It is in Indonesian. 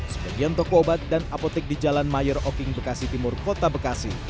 sebagian toko obat dan apotek di jalan mayor oking bekasi timur kota bekasi